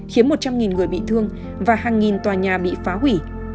khiến một trăm linh người bị thương và hàng nghìn tòa nhà bị phá hủy